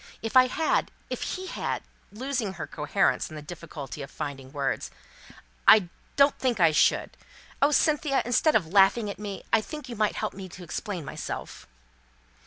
If I had if he had," losing her coherence in the difficulty of finding words, "I don't think I should, oh, Cynthia, instead of laughing at me, I think you might help me to explain myself!"